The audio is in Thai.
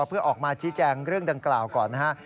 เพื่อออกมาชี้แจงเรื่องดังกล่าวก่อนนะครับ